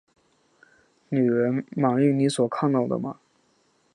女人，满意你所看到的吗？